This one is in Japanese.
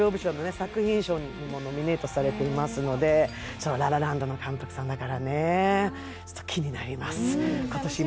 作品賞にもノミネートされていますので「ラ・ラ・ランド」の監督さんだからねちょっと気になりますうん楽しみです